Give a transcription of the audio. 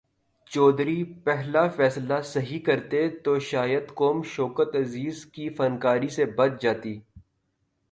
چودھری پہلا فیصلہ صحیح کرتے تو شاید قوم شوکت عزیز کی فنکاری سے بچ جاتی۔